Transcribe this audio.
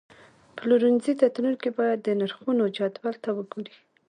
پلورنځي ته تلونکي باید د نرخونو جدول ته وګوري.